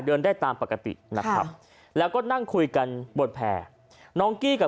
เดินได้ตามปกตินะครับแล้วก็นั่งคุยกันบนแผ่น้องกี้กับ